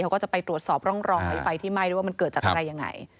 เขาก็จะไปตรวจสอบร่องรอยไฟที่ไหม้ด้วยว่ามันเกิดจากอะไรยังไง